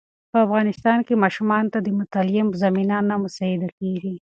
په افغانستان کې ماشومانو ته د مطالعې زمینه نه مساعده کېږي.